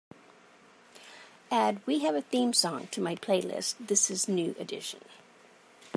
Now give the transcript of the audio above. Add we have a theme song to my playlist This Is New Edition